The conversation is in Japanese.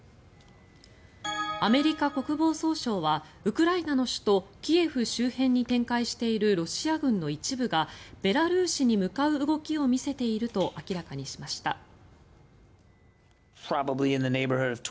アメリカ国防総省はウクライナの首都キエフ周辺に展開しているロシア軍の一部がベラルーシに向かう動きを見せていると明らかにしました。